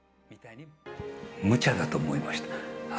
むちゃだと思いました。